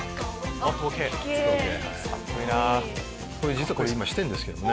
実はこれ今してんですけどね。